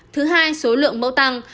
thứ hai số lượng mẫu tăng